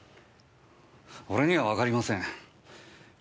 俺にはわかりません。